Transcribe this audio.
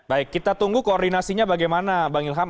baik kita tunggu koordinasinya bagaimana bang ilham